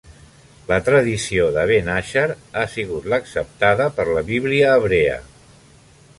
La tradició de ben Asher ha sigut l'acceptada per la Bíblia hebrea.